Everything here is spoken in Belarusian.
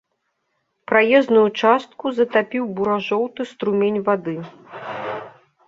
Праезную частку затапіў бура-жоўты струмень вады.